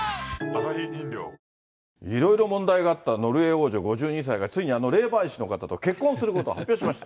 いろいろ問題があったノルウェー王女５２歳が、ついにあの霊媒師の方と結婚することを発表しました。